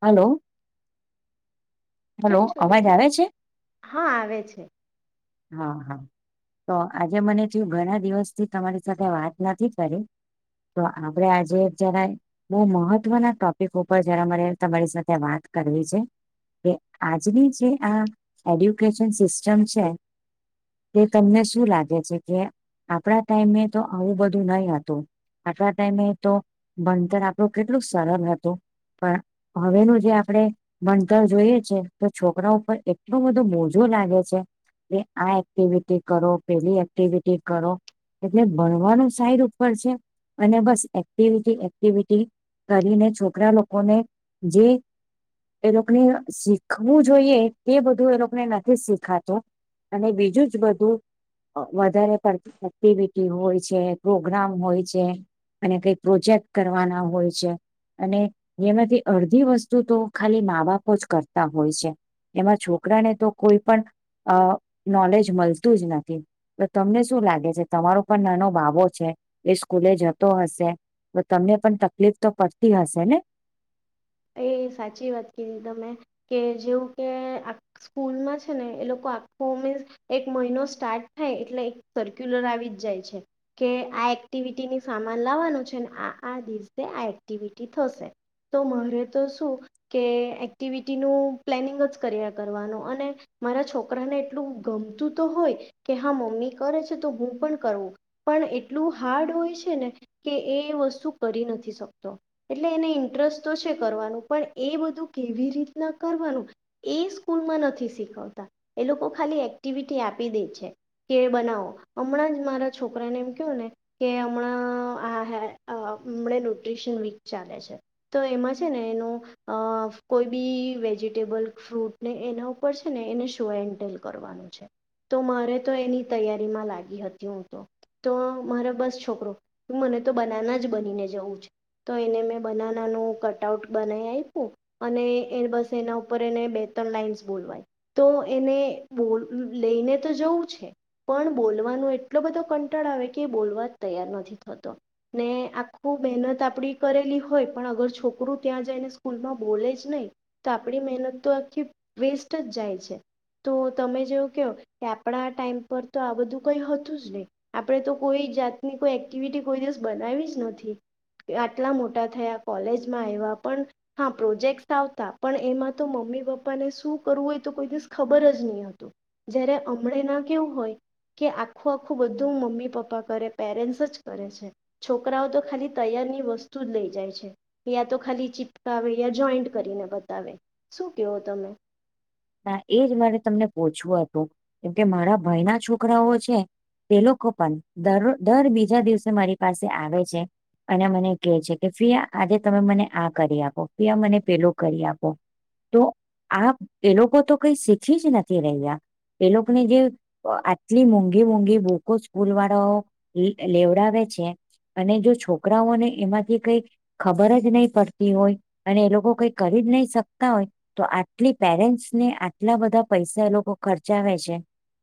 Hello. Hello, કેમ છો બેન? અવાજ આવે છે? હા આવે છે હા, હા તો આજે મને થયું ઘણા દિવસથી તમારી સાથે વાત નથી કરી તો આપડે આજે [unintelligible] બહુ મહત્વના ટોપિક ઉપર જરા મારે તમારી સાથે વાત કરવી છે. કે આજની જે આ એડ્યુકેશન સિસ્ટમ છે. તે તમને શું લાગે છે કે આપણા ટાઈમે તો આવું બધું નહી હતું. આટલા ટાઈમે તો બણતર આપણું કેટલું સરલ હતું. પણ હવેનું જે આપણે તો જોઈએ છે, કે છોકરાઓ ઉપર એટલું બધું બોજો લાગે છે. કે આ એક્ટિવિટી કરો પેલી એક્ટિવિટી કરો એટલે ભણવાનું સાઈડ ઉપર છે અને બસ એક્ટિવિટી એક્ટિવિટી કરીને છોકરા લોકોને જે [unintelligible] શીખવું જોઈએ એ બધું એ લોકોને નથી શીખાતું અને બીજું જ બધું વધારે પડતી એક્ટિવિટી હોય છે, પ્રોગ્રામ હોય છે અને કઈક પ્રોજેક્ટ કરવાના હોય છે. અને એમાંથી અડધી વસ્તુ તો ખાલી માં-બાપ આવુ જ કરતા હોય છે, એમાં છોકરાને તો કોઈ પણ અ નોલેજ મલતું જ નથી. તો તમને શું લાગે છે, તમારો પણ નાનો બાબો છે. એ સ્કૂલે જતો હશે? તો તમને પણ તકલીફ તો પડતી હશે ને? એ સાચી વાત કીધી તમે કે જેવું કે? સ્કૂલમાં છે ને એ લોકો [unintelligible] એક મહિનો સ્ટાર્ટ થાય એટલે એક સર્ક્યુલર આવી જ જાય છે. કે આ એક્ટિવિટીની સામાન લાવવાનું છે ને આ આ દિવસે આ એક્ટિવિટી થશે. તો મારે તો શું કે એક્ટિવિટીનું પ્લેનિંગ જ કર્યા કરવાનું અને મારા છોકરાને એટલું ગમતું તો હોય કે હા મમ્મી કરે છે તો હું પણ કરુ. પણ એટલું હાર્ડ હોય છે ને કે એ વસ્તુ કરી નથી શકતો. એટલે એને ઇન્ટરેસ્ટ તો છે કરવાનું પણ એ બધું કેવી રીતના કરવાનું એ સ્કૂલમાં નથી શીખવતા એ લોકો ખાલી એક્ટિવિટી આપી દે છે. કે બનાવો હમણાં જ મારા છોકરાને એમ કેવ ને... કે હમણાં આ હે હમણા ન્યુટ્રીશન વીક ચાલે છે તો એમાં... છે ને એનું... અ કોઈ બી વેજિટેબલ ફ્રૂટ ને એના ઉપર છે ને એને શો એન્ટેલ કરવાનું છે. તો મારે તો એની તૈયારીમાં લાગી હતી. હું તો... તો મારે બસ છોકરો મને તો બનાના જ બનીને જવું છે. તો એને મેં બનાનાનું કટ ટ આઉટ બનાવી આય્પુ અને એ બસ એના ઉપર એને બે-ત્રણ લાાઈન્સ બોલવાય. તો એને બો લઈને તો જવું છે. પણ બોલવાનો એટલો બધો કંટાળો આવે કે બોલવા જ તૈયાર નથી થતો. ને આખું મહેનત આપડી કરેલી હોય પણ અગર છોક કરું ત્યાં જઈને સ્કૂલમાં બોલે જ નઈ. તો આપડી મહેનત તો આખી વેસ્ટ જ જાય છે. તો તમે જેવું કહો કે આપણા ટાઈમ પર તો આ બધું કઈ હતું જ નહી. આપડે તો કોઈ જાતની કોઈ એક્ટિવિટી કોઈ દિવસ બનાવી જ નથી. આટલા મોટા થયા કોલેજમાં આવ્યા પણ હા, પ્રોજેક્ટસ આવતા પણ એમાં તો મમ્મી-પપ્પાને શું કરવું હોય તો કોઈ દિવસ ખબર જ નહી હતું. જયારે અમળે ના કેવું હોય. કે આખું આખું બધું મમ્મી-પપ્પા કરે પેરેન્ટ્સ જ કરે છે. છોકરાઓ તો ખાલી તૈયાર ની વસ્તુ જ લઈ જાય છે. યા તો ખાલી ચીપકાવે યા જોઈન્ટ કરીને બતાવે શું કેવો તમે? હા, એ જ મારે તમને પછવું હતું, કેમકે મારા ભાઈ ના છોકરાઓ છે. તે લોકો પણ દર દર બીજા દિવસે મારી પાસે આવે છે. અને મને કહે છે કે ફયા આ આજે તમે મને આ કરી આપો, ફયા મને પેલું કરી આપો. તો આ એ લોકો તો કઈ શીખી જ નથી રહ્યા. એ લોકને જે... તો આટલી મોંઘી-મોંઘી બુકો સ્કૂલ વાળાઓ લેવડાવે છે. અને જો છોકરાઓને એમાંથી કઈ... ખબર જ નહી પડતી હોય અને એ લોકો કઈ કરી જ નહી શકતા હોય. તો આટલી... પેરેન્ટ્સ ને આટલા બધા પૈસા એ લોકો ખર્ચાવે છે.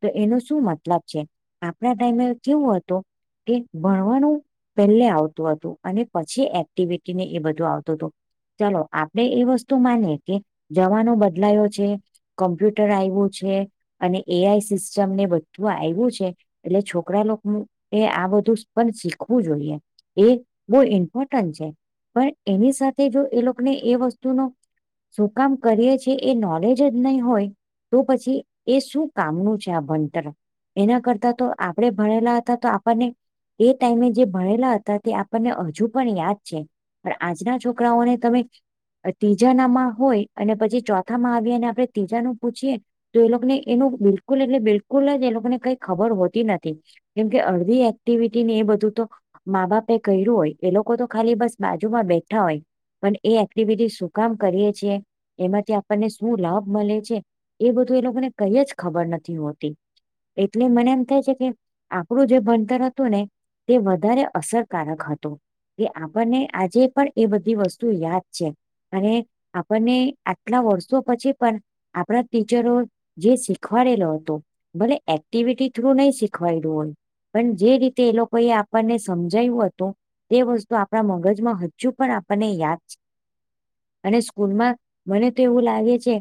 તો એનો શું મતલબ છે. આપણા ટાઈમે કેવું હતું કે ભણવાનું. પહેલે આવતું હતું અને પછી એક્ટિવિટીને એ બધું આવતું હતું. ચલો આપડે એ વસ્તુ માનીએ કે જવાનો બદલાયો છે. કોમ્પ્યુટર આવ્યું છે અને એઆઈ સિસ્ટમ ને બધું આવ્યું છે. એટલે છોકરા લોકનુ એ આ બધું પણ શીખવું જોઈએ. એ બહ ઇમ્પોર્ટન્ટ છે પણ એની સાથે જો એ લોકને એ વસ્તુનો... શું કામ કરીએ છે. એ નોલેજ જ નહીં હોય તો પછી એ શું કામનું છે આ ભણતર. એના કરતા તો આપણેે ભણેલા હતા તો આપણને... એ ટાઈમે જે ભણેલા હતા તે આપણને હજુ પણ યાદ છે. પણ આજના છોકરાઓને તમે ત્રીજા નામાં હોય અને પછી ચો થામાં આવીએ અને આપડે ત્રીજાનું પૂછીએ. તો એ લોકોને એનું બિલકુલ એટલે બિલકુલ જ એ લોકોને કઈ ખબર હોતી નથી. કેમ કે અડધી એક્ટિવિટી ને એ બધું તો... મા-બાપે કર્યું હોય એ લોકો તો ખાલી બસ બાજુમાં બેઠા હોય. પણ એ એક્ટિવિટી શું કામ કરીએ છીએ. એમાંથી આપ ણને શું લાભ મલે છે. એ બધું એ લોકોને કઈ જ ખબર નથી હોતી. એટલે મને એમ થાય છે કે આપડું જે ભણતર હતું ને... તે વધારે અસરકારક હતું. કે આપણને આજે પણ એ બધી વસ્તુ યાદ છે અને આપણને... આટલા વર્ષો પછી પણ આપણા ટીચરો... જે શીખવાડેલો હતો એક્ટિવિટી થ્રુ શીખવાયેલું હોય. પણ જે રીતે એ લોકો એ આપણને સમજાયું હતું. તે વસ્તુ આપણા મગજમાં હજુ પણ આપણને યાદ છે અને સ્કૂલમાં... મને તો એવું લાગે છે.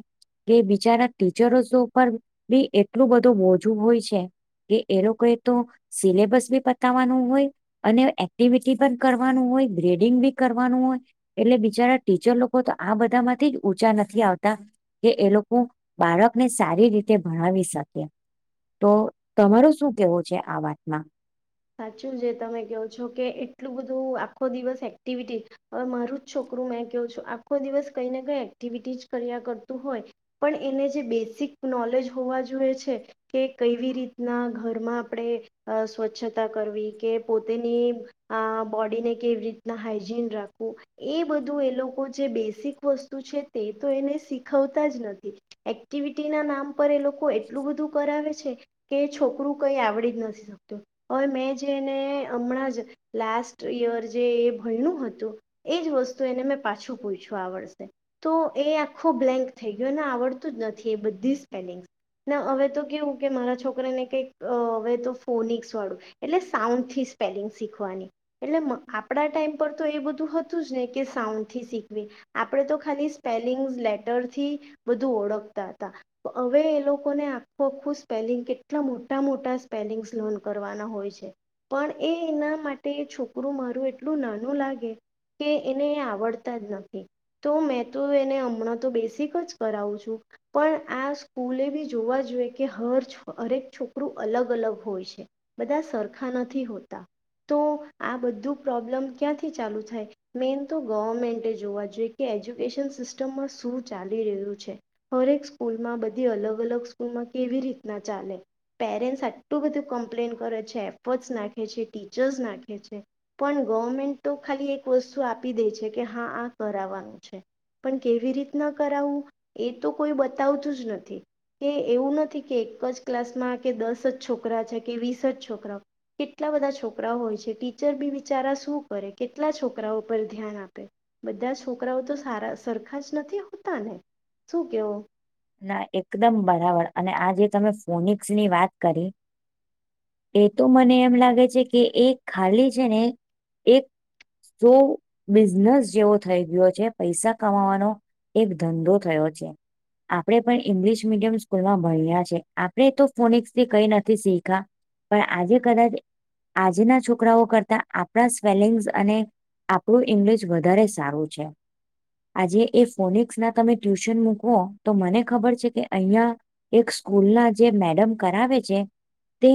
કે બિચારના ટીચરો ઉપર બી એટલું બધું મોજું હોય છે. કે એ લોકો એ તો સિલેબસ બી પતાવવાનું હોય. અને એક્ટિવિટી પણ કરવાનું હોય, ગ્રેડિંગ બી કરવાનું હોય. એટલે બિચારા ટીચર લોકો તો આ બધામાંથી ઉચા નથી આવતા. કે એ લોકો બાળકને સારી રીતે ભણાવી શકે. તો તમારો શું કેવો છે આ વાતમાં? સાચું જે તમે કહો છો કે એટલું બધું આખો દિવસ એક્ટિવિટી... હવે મારું જ છોકરુમેં કેવું છું આખો દિવસ કઈ ને એક્ટિવિટી જ કર્યા કરતું હોય. પણ એને જે બેઝિક નોલેજ હોવા જોઈએ છે. કે કેવી રીતના ઘરમાં આપણે અ સ્વચ્છ... કરવી કે પોતેની બોડીને કેવી રીતના હાઈજીન રાખવું. એ બધું લોકો જે બેસિક વસ્તુ છે તે તો શીખવતા જ નથી. એક્ટિવિટીના નામ પર એ લોકો એટલું બધું કરાવે છે. કે છોકરું કઈ આવડી જ નથી શકતું. હવે મેં જેને હમણાં જ લાસ્ટ યર જે એ ભયણું હતું. એજ વસ્તુ મેં એને પાછું પૂછ્યું આ વર્ષે. તો એ આખો બ્લેન્ક થઈ ગયો ને આવડતું જ નથી એ બધી સ્પેલિંગસ. ના હવે તો કેવું કે મારા છોકરાને કંઈક હવે તો ફોનિસવાળું... એટલે સાઉન્ડથી સ્પેલિંગ શીખવાની. એટલે આપણા ટાઈમ પર તો એ બધું હતું જ ને કે સાઉન્ડથી શીખવી. આપણે તો ખાલી સ્પેલિંગ્સ લેટરથી બધું ઓળખતા હતા. હવે એ લોકોને આખું આખું સ્પેલિંગ કેટલા મોટા મોટા સ્પેલિંગસ લર્ન કર. હોય પણ એનામ માટે છોકરું મારું એટલું નાનું લાગે... કે એને આવડતા જ નથી. તો મેં તો એને હમણાં તો બેસીિક જ કરાવું છું. પણ આ સ્કૂલે બી જોવા જોઈએ કે હર હરેક છોકરું અલગ-અલગ હોય છે. બધા સરખા નથી હોતા તો આ બધું પ્રોબ્લમ ક્યાંથી ચાલુ થાય? મેન તો ગવર્મેન્ટે જોવા જોઈએ કે એજ્યુકેશન સિસ્ટમમાં શું ચાલી રહ્યું છે. હરેક સ્કૂલમાં બધી અલગ-અલગ સ્કૂલમાં કેવી રીતના ચાલે. પેરેન્ટ્સ આટલું બધું કમ્પ્લેન કરે છે એફર્ટ્સ નાખે છે, ટીચર્સ નાખે છે. પણ ગવર્મેન્ટ તો ખાલી એક વસ્તુ આપી દે છે કે હા આ કરાવવાનું છે. પણ કેવી રીતના કરાવું એ તો કોઈ બતાવતું જ નથી. કે એવું નથી કે એક જ ક્લાસમાં કે દસ જ છોકરા છે કે વીસ જ છોકરા. કેટલા બધા છોકરાઓ હોય છે ટીચર બી બીચારા શું કરે કેટલા છોકરાઓ પર ધ્યાન આપે. બધા છોકરાઓ તો સારા સરખા જ નથી હોતા ને શું કેવો? ના એકદમ બરાબર અને આ જે તમે ફોનિક્સની વાત કરી... એ તો મને એમ લાગે છે કે એ ખાલી છે ને એક... જો બિઝનેસ જેવો થઈ ગયો છે પૈસા કમાવાનો એક ધંધો થયો છે. આપણે પણ ઇંગ્લિશ મીડિયમ સ્કૂલ માં ભણ્યા છે આપણે તો ફોનિક્સથી કઈ નથી શીખા પણ આજે કદાચ આજના છોકરાઓ કરતા આપણા સ્વેલિંગ્સ અને આપણું ઇંગ્લિશ વધારે સારું છે. આજે એ ફોનિકસ ના તમે ટ્યુશન મૂકવો તો મને ખબર છે કે, અહિયાં એક સ્કૂલ ના જે મેડમ કરાવે છે. તે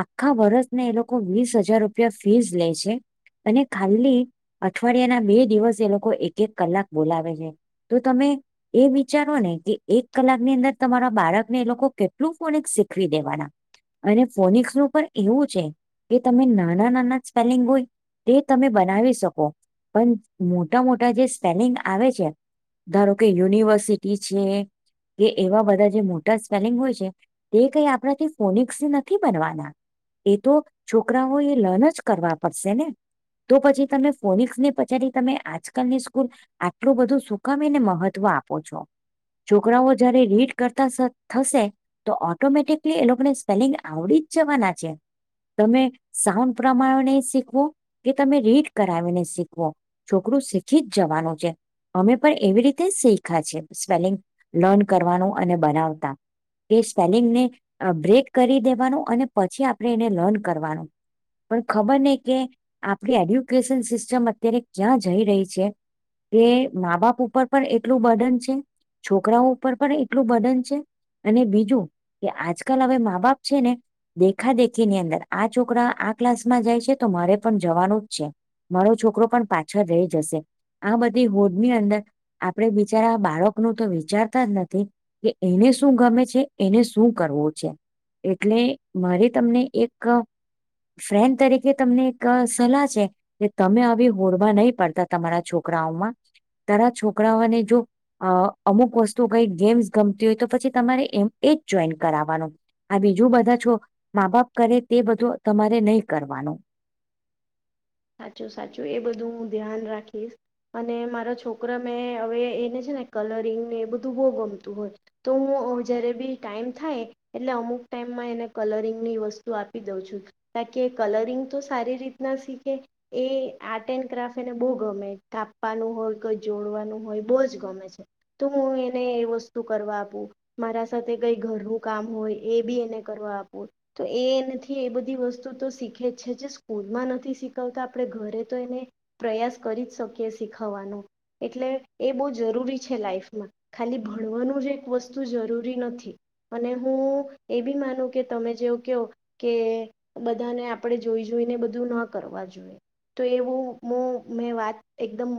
આખા વર્ષને એ લોકો વીસ હજાર રૂપિયા ફીસ લે છે. અને ખાલી અઠવાડિયા ના બે દિવસ એ લોકો એક-એક કલાક બોલાવે છે. તો તમે એ વિચારો ને! કે એક કલાકની અંદર તમારા બાળકને એ લોકો કેટલું ફોનેક્સ શીખવી દેવાના અને ફોનિક્સ નું પણ એવું છે, કે તમે નાના-નાના સ્પેલિંગ હોય તે તમે બનાવી શકો, પણ મોટા-મોટા જે સ્પેલિંગ આવે છે. ધારો કે, યુનિવર્સિટી છે. કે એવા બધા જે મોટા સ્પેલિંગ હોય છે. તે કઈ આપણાથી ફોનિક્સ થી નથી બનવાના એ તો છોકરાઓ એ લર્ન જ કરવા પડશે ને! તો પછી તમે ફોનિકસ ને પછાડી તમે આજકાલની સ્કૂલ આટલું બધું શું કામ અને મહત્વ આપો છો? છોકરાઓ જ્યારે રીડ કરતા સ થશે. તો ઓટોમેટિકલી એ લોકોને સ્પેલિંગ આવડી જ જવાના છે. તમે સાઉન્ડ પ્રમાણે શીખવો કે તમે રીડ કરાવી ને શીખવો છોકરું શીખી જ જવાનું છે. અમે પણ એવી રીતે શિખ્યા છે. સ્પેલિંગ લર્ન કરવાનું અને, બનાવતા એ સ્પેલિંગને અ બ્રેક કરી દેવાનું અને પછી આપણે એને લર્ન કરવાનું. પણ ખબર નય કે આપડી એડ્યુકેશન સિસ્ટમ અત્યારે ક્યાં જઈ રહી છે? એ મા-બાપ ઉપર પણ એટલું બર્ડન છે. છોકરાઓ પણ એટલું બર્નર છે. અને બીજું કે આજકાલ અવે મા બાપ છે ને દેખા દેખી ની અંદર આ છોકરા આ ક્લાસમાં જાય છે. તો મારે પણ જવાનું જ છે. મારો છોકરો પણ પાછળ રહી જશે. આ બધી હોડ ની અંદર આપડે બિચારા બાળકો નું તો વિચારતા જ નથી કે, એને શું ગમે છે? એને શું કરવું છે? એટલે મારે તમને એક અ ફ્રેન્ડ તરીકે તમને એક અ સલાહ છે. કે તમે આવી હોડમાં નહીં પાડતા તમારા છોકરાઓમાં તારા છોકરાઓને જો અ અમુક વસ્તુ કઈ ગેમ્સ ગમતી હોય તો, પછી તમારે એમ એજ જોઈન કરાવવાનું. આ બીજું બધા છો મા-બાપ કરે તે બધું તમારે નય કરવાનું. સાચું-સાચું એ બધું હું ધ્યાન રાખીશ. અને મારા છોકરા મેં હવે અને છે ને કલરિંગને એ બધું બોવ ગમતું હોય. તો હું અ જ્યારે બી ટાઈમ થાય. એટલે અમુક ટાઈમમાં એને કલરિંગ ની વસ્તુ આપી દઉં છું. કારણ કે એ કલરિંગ તો સારી રીતના સિ કે એ આર્ટ એન્ડ ક્રાફ્ટ એને બોવ ગમે કાપવાનું હોય કોઈ જોડવાનું હોય બહુ જ ગમે છે. તો હું એને એ વસ્તુ કરવા આપું. મારા સાથે કઈ ઘરનું કામ હોય એ બી અને કરવા આપું. તો એ નથી એ બધી વસ્તુ તો શીખે છે. જે સ્કૂલ માં નથી શીખ, વતા તો આપણે ઘરે તો એને પ્રયાસ કરી જ શકીએ શીખવવાનો. એટલે એ બોવ જરૂરી છે લાઈફ માં. ખાલી ભણવાનું જ એક વસ્તુ જરૂરી નથી. અને હું એ બી માનું કે તમે જેવું ક્યો, કે બધાને આપણેે જોઈ-જોઈને બધું ન કરવા જોઈએ. તો એવું મોં મેં વાત એકદમ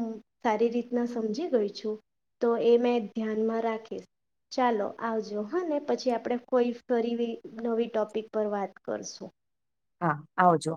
સારી રીતના સમજી ગઈ છું. તો એ મેં ધ્યાનમાં રાખીશ. ચાલો, આવજો. હા ને, પછી આપણે કોઈ ફરી નવી ટોપિક પર વાત કરશું. હા આવજો.